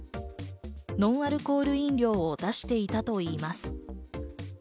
ノンアルコール飲料を出していたといいます。